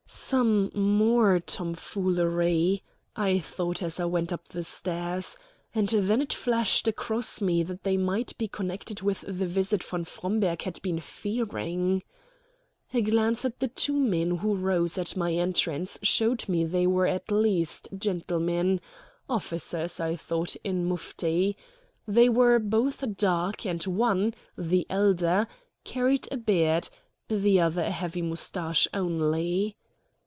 "Some more tomfoolery," I thought, as I went up the stairs, and then it flashed across me that they might be connected with the visit von Fromberg had been fearing. A glance at the two men who rose at my entrance showed me they were at least gentlemen officers, I thought, in mufti. They were both dark, and one the elder carried a beard, the other a heavy mustache only.